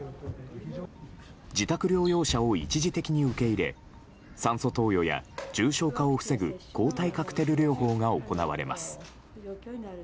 自宅療養者を一時的に受け入れ酸素投与や重症化を防ぐ抗体カクテル療法が行われます。